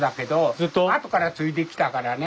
ずっと？後から継いできたからね